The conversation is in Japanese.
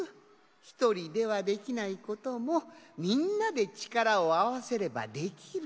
ひとりではできないこともみんなでちからをあわせればできる。